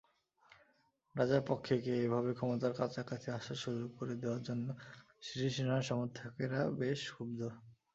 রাজাপক্ষেকে এভাবে ক্ষমতার কাছাকাছি আসার সুযোগ করে দেওয়ার জন্য সিরিসেনার সমর্থকেরা বেশ ক্ষুব্ধ।